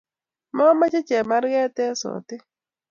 Mamache chemarket en Sotik